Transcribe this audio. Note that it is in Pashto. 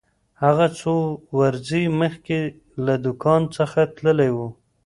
هغه څو ورځې مخکې له دکان څخه تللی و.